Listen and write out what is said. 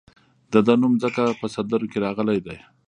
د ده نوم ځکه په سندرو کې راغلی دی.